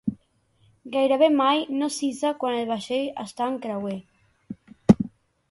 Gairebé mai no s'hissa quan el vaixell està en creuer.